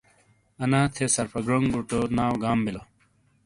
انا تھے، سرفا گڑونگ بوٹو، ناؤ گام بیلو۔